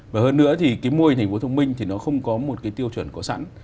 và hơn nữa thì cái mô hình thành phố thông minh thì nó không có một cái tiêu chuẩn có sẵn